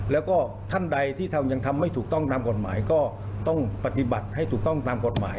แล้วก็ท่านใดที่ยังทำไม่ถูกต้องตามกฎหมายก็ต้องปฏิบัติให้ถูกต้องตามกฎหมาย